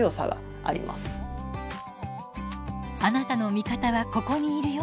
「あなたの味方はここにいるよ」。